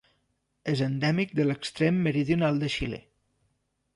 És endèmic de l'extrem meridional de Xile.